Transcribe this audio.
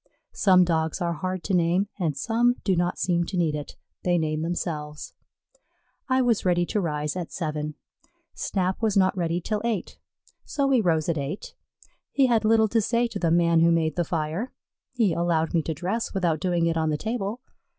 Some Dogs are hard to name, and some do not seem to need it they name themselves. I was ready to rise at seven. Snap was not ready till eight, so we rose at eight. He had little to say to the man who made the fire. He allowed me to dress without doing it on the table.